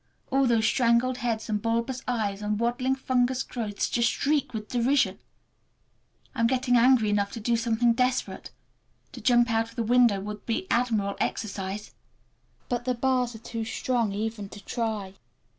All those strangled heads and bulbous eyes and waddling fungus growths just shriek with derision! I am getting angry enough to do something desperate. To jump out of the window would be admirable exercise, but the bars are too strong even to try.